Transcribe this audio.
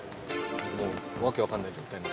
もう訳分かんない状態。